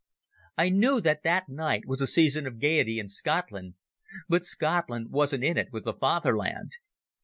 I knew that that night was a season of gaiety in Scotland, but Scotland wasn't in it with the Fatherland.